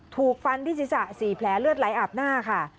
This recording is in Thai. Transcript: ถูกฟันที่ศีรษะ๔แผลเลือดไหลอาบหน้าค่ะ